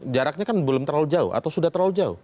jaraknya kan belum terlalu jauh atau sudah terlalu jauh